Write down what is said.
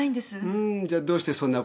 んーじゃあどうしてそんなことを？